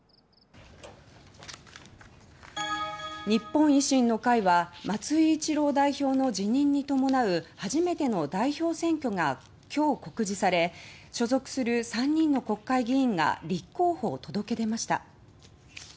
日本維新の会は松井一郎代表の辞任に伴う初めての代表選挙が今日、告示され所属する３人の国会議員が立候補を届け出ました。